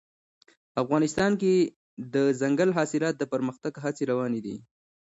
افغانستان کې د دځنګل حاصلات د پرمختګ هڅې روانې دي.